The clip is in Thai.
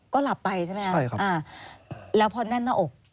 ก็หลับไปใช่ไหมครับอ่าแล้วพอแน่นหน้าอก